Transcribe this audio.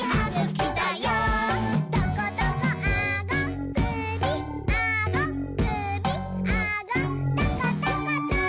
「トコトコあごくびあごくびあごトコトコト」